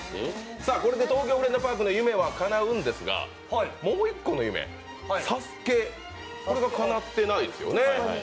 これで「東京フレンドパーク」の夢はかなうんですがもう１個の夢、「ＳＡＳＵＫＥ」がかなってないですよね？